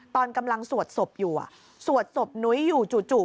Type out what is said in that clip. ตอนกำลังสวดศพอยู่สวดศพนุ้ยอยู่จู่